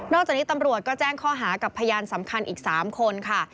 จากนี้ตำรวจก็แจ้งข้อหากับพยานสำคัญอีก๓คนค่ะ